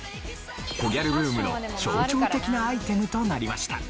コギャルブームの象徴的なアイテムとなりました。